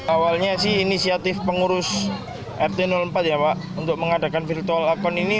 awalnya sih inisiatif pengurus rt empat ya pak untuk mengadakan virtual account ini